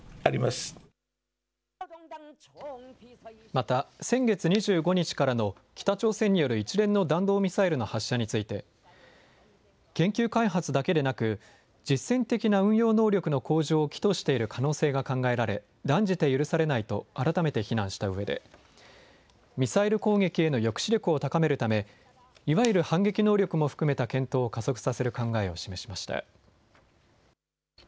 また、先月２５日からの北朝鮮による一連の弾道ミサイルの発射について、研究開発だけでなく、実戦的な運用能力の向上を企図している可能性が考えられ、断じて許されないと改めて非難したうえで、ミサイル攻撃への抑止力を高めるため、いわゆる反撃能力も含めた検討を加速させる考えを示しました。